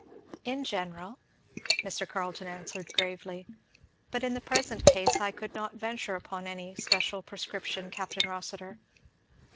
"In general," Mr. Carleton answered gravely; "but in the present case I could not venture upon any special prescription, Capt. Rossitur."